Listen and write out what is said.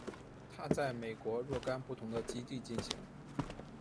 它在美国若干不同的基地进行。